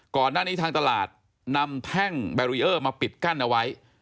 ก่อนหน้านี้ทางตลาดนำแท่งแบรีเออร์มาปิดกั้นเอาไว้